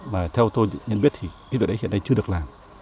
mà theo tôi nhận biết thì cái việc đấy hiện nay chưa được làm